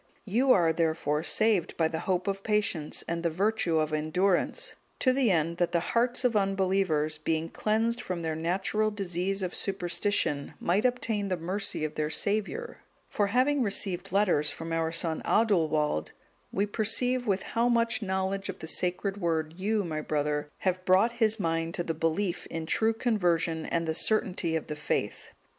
'(203) You are, therefore, saved by the hope of patience, and the virtue of endurance, to the end that the hearts of unbelievers, being cleansed from their natural disease of superstition, might obtain the mercy of their Saviour: for having received letters from our son Adulwald,(204) we perceive with how much knowledge of the Sacred Word you, my brother, have brought his mind to the belief in true conversion and the certainty of the faith.